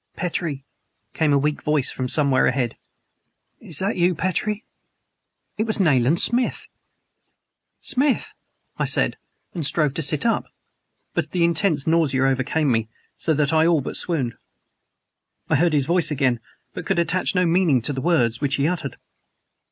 "Petrie!" came a weak voice from somewhere ahead. ... "Is that you, Petrie?" It was Nayland Smith! "Smith!" I said, and strove to sit up. But the intense nausea overcame me, so that I all but swooned. I heard his voice again, but could attach no meaning to the words which he uttered.